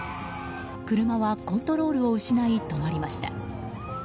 車はコントロールを失い止まりました。